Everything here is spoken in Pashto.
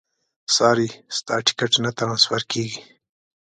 ساري ستا ټیکټ نه ټرانسفر کېږي.